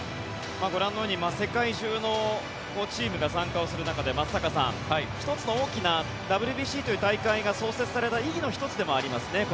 ご覧のように世界中のチームが参加をする中で松坂さん、１つの大きなＷＢＣという大会が創設された意義の１つでもありますね。